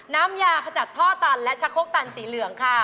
น้ำยาขจัดท่อตันและชะโคกตันสีเหลืองค่ะ